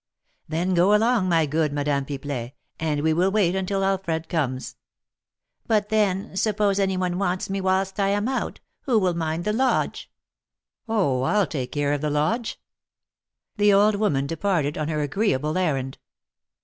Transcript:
"Then go along, my good Madame Pipelet, and we will wait till Alfred comes." "But, then, suppose any one wants me whilst I am out, who will mind the lodge?" "Oh, I'll take care of the lodge." The old woman departed on her agreeable errand.